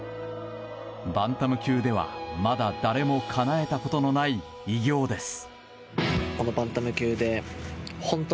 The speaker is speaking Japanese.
バンタム級ではまだ誰もかなえたことのない偉業です。